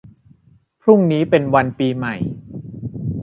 พรุ่งนี้เป็นวันปีใหม่